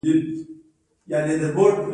یا په کوچ کې هډوکي پټ کړي